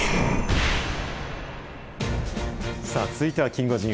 さあ、続いてはキンゴジン。